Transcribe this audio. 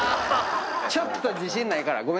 ちょっと自信ないから。